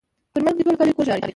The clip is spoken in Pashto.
پر مرګ دې ټوله کلي کور ژاړي.